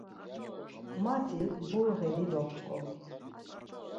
Mati burği dido p̌ç̌ǩomi.